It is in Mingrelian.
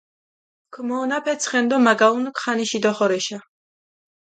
ქუმაჸონაფე ცხენი დო მა გაჸუნუქ ხანიში დოხორეშა.